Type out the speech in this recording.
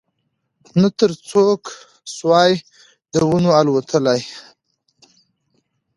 نه تر څوکو سوای د ونو الوتلای